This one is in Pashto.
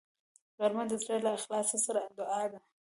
غرمه د زړه له اخلاص سره دعا ده